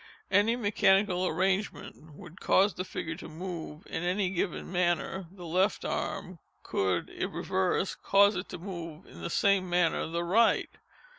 Any mechanical arrangement which would cause the figure to move, in any given manner, the left arm—could, if reversed, cause it to move, in the same manner, the right.